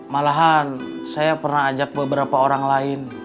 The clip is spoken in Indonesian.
malahan saya pernah ajak beberapa orang lain